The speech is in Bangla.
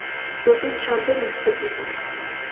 নতুন ছন্দে লিখব জীবন"